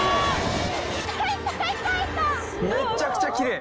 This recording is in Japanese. めっちゃくちゃキレイ！